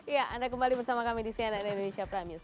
ya anda kembali bersama kami di cnn indonesia prime news